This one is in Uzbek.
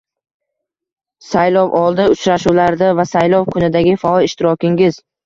saylovoldi uchrashuvlarida va saylov kunidagi faol ishtirokingiz